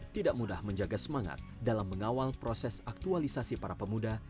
tidak mudah menjaga semangat dalam mengawal proses aktualisasi para pemuda